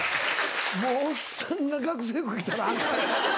もうおっさんが学生服着たらアカン。